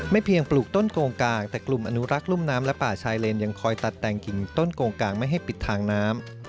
เพียงปลูกต้นโกงกางแต่กลุ่มอนุรักษ์รุ่มน้ำและป่าชายเลนยังคอยตัดแต่งกิ่งต้นโกงกลางไม่ให้ปิดทางน้ำ